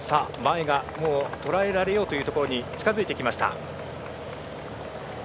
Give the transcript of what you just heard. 前がもうとらえられようというところに近づいてきました。